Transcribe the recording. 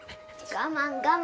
我慢我慢。